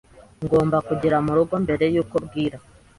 Ngomba kugera murugo mbere yuko bwira.